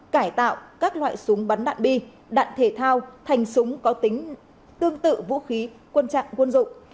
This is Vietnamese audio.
cải tạo các loại súng bắn đạn bi đạn thể thao thành súng có tính tương tự vũ khí quân trạng quân dụng